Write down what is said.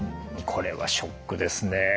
これはショックですね。